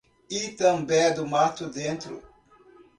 Itambé do Mato Dentro